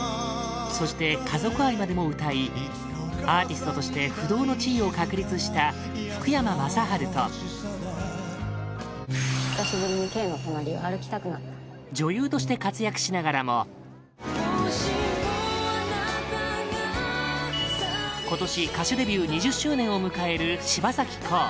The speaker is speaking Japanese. そして家族愛までも歌いアーティストとして不動の地位を確立した福山雅治と女優として活躍しながらも今年歌手デビュー２０周年を迎える柴咲コウ